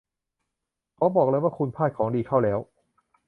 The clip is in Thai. ขอบอกเลยว่าคุณพลาดของดีเข้าแล้ว